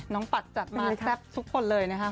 น้องปั๊ดจัดมาแซ่บทุกคนเลยนะคะ